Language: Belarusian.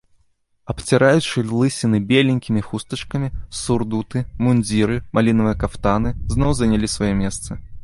Абціраючы лысіны беленькімі хустачкамі, сурдуты, мундзіры, малінавыя кафтаны, зноў занялі свае месцы.